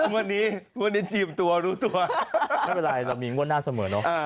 พี่ซื้อไหม